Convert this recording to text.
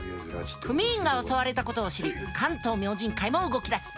組員が襲われたことを知り関東明神会も動きだす。